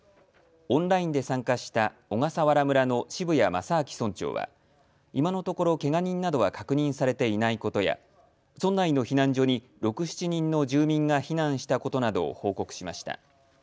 オンラインで参加した小笠原村の渋谷正昭村長は今のところけが人などは確認されていないことや村内の避難所に６、７人の住民が避難したことなどを報告しました。